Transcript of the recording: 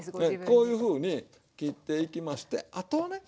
こういうふうに切っていきましてあとはね